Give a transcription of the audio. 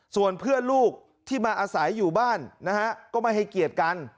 ส่วนเพื่อนลูกที่มาอาศัยอยู่บ้านนะฮะก็ไม่ให้เกียรติกัน